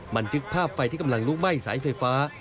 บันทึกภาพไฟที่กำลังลุกไหม้สายไฟฟ้า